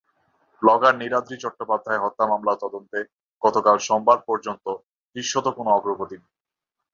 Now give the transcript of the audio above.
Blogger Niladri Chattopadhyay হত্যা মামলার তদন্তে গতকাল সোমবার পর্যন্ত দৃশ্যত কোনো অগ্রগতি নেই।